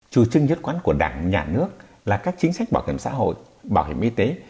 chủ trương nhất quán của đảng nhà nước là các chính sách bảo hiểm xã hội bảo hiểm y tế